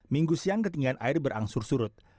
minggu siang ketinggian air berangsur surut